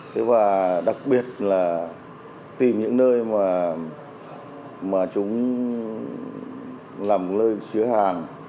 thế và đặc biệt là tìm những nơi mà chúng làm nơi chứa hàng